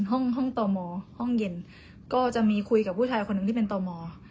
ห้องห้องต่อมอห้องเย็นก็จะมีคุยกับผู้ชายคนหนึ่งที่เป็นต่อมอ